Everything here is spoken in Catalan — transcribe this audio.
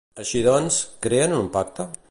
Així doncs, creen un pacte?